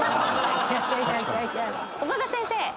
岡田先生！